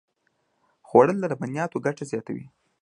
خوړل د لبنیاتو ګټه زیاتوي